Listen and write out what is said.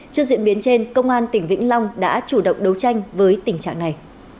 trước diễn biến trên công an tỉnh vĩnh long đã chủ động đấu tranh với tình trạng này